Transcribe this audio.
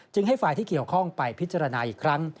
ให้ฝ่ายที่เกี่ยวข้องไปพิจารณาอีกครั้ง